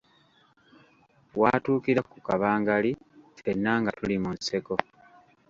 W’atuukira ku Kabangali ffenna nga tuli mu nseko.